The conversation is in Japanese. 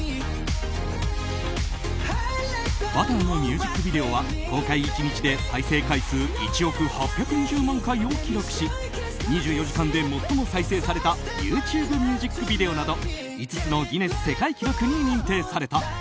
「Ｂｕｔｔｅｒ」のミュージックビデオは公開１日で再生回数１億８２０万回を記録し２４時間で最も再生されたＹｏｕＴｕｂｅミュージックビデオなど５つのギネス世界記録に認定された。